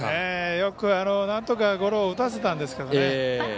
よく、なんとかゴロを打たせたんですけどね。